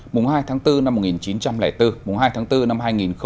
mùng hai tháng bốn năm một nghìn chín trăm linh bốn mùng hai tháng bốn năm hai nghìn hai mươi